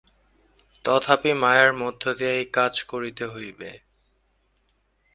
তথাপি মায়ার মধ্য দিয়াই কাজ করিতে হইবে।